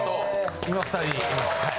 今２人いますはい。